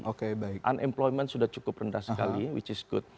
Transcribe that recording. unemployment sudah cukup rendah sekali which is good